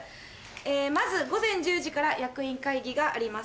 まず午前１０時から役員会議があります。